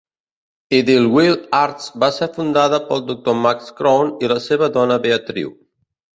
Idyllwild Arts va ser fundada pel Doctor Max Krone i la seva dona Beatriu.